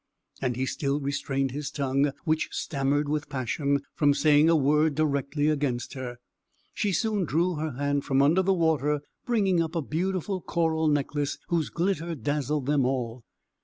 and he still restrained his tongue (which stammered with passion) from saying a word directly against her. She soon drew her hand from under the water, bringing up a beautiful coral necklace whose glitter dazzled them all.